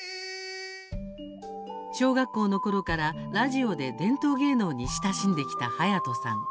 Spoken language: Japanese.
小学校のころからラジオで伝統芸能に親しんできた隼人さん。